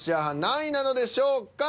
何位なのでしょうか？